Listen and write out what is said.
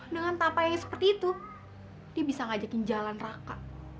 dengan tapa yang seperti itu dia bisa ngajakin jalan raka